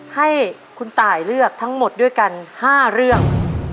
ให้คุณตายเลือกทั้งหมดด้วยกัน๕เรื่อง